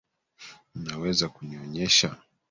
Unaweza kunionyesha?